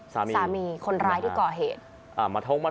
สามีสามีคนร้ายที่ก่อเหตุ